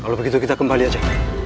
kalau begitu kita kembali aja